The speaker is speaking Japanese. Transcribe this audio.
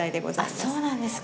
あっ、そうなんですか。